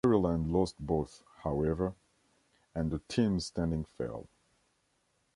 Maryland lost both, however, and the team's standing fell.